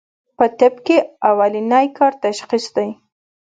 پۀ طب کښې اولنی کار تشخيص دی